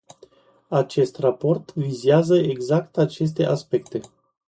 Acest raport vizează exact aceste aspecte.